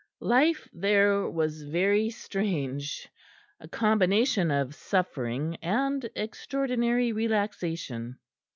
Life there was very strange, a combination of suffering and extraordinary relaxation.